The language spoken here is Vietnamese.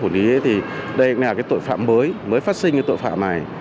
hình sự công an thành phố phủ lý thì đây là cái tội phạm mới mới phát sinh cái tội phạm này